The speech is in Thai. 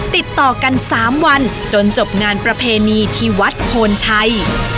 ติดต่อกัน๓วันจนจบงานประเพณีที่วัดโพนชัย